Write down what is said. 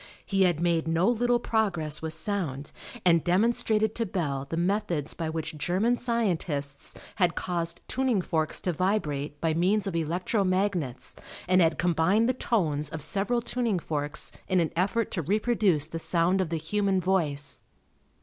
He had made no little progress with sound, and demonstrated to Bell the methods by which German scientists had caused tuning forks to vibrate by means of electro magnets and had combined the tones of several tuning forks in an effort to reproduce the sound of the human voice.